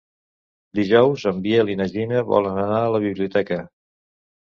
Dijous en Biel i na Gina volen anar a la biblioteca.